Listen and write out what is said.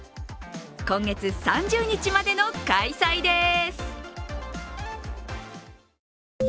今月３０日までの開催です。